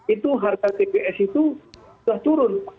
itu harga tps itu sudah turun